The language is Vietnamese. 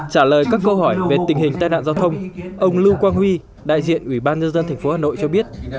trả lời các câu hỏi về tình hình tai nạn giao thông ông lưu quang huy đại diện ủy ban nhân dân tp hà nội cho biết